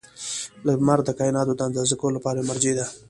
• لمر د کایناتو د اندازه کولو لپاره یوه مرجع ده.